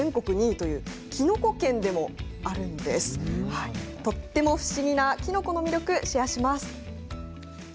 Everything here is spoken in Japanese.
とても不思議なキノコの魅力をシェアします。